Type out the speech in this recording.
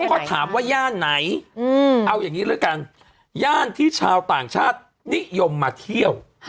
เขาก็ถามว่าย่านไหนเอาอย่างนี้แล้วกันย่านที่ชาวต่างชาตินิยมมาเที่ยว